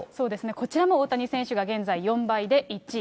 こちらも大谷選手が現在４倍で１位。